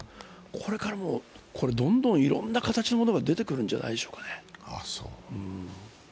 これからどんどんいろんな形のものが出てくるんじゃないでしょうかね。